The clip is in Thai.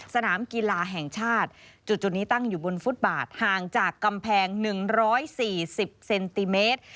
สนามกีฬาแห่งชาติจุดนี้ตั้งอยู่บนฟุตบาทห่างจากกำแพง๑๔๐เซนติเมตร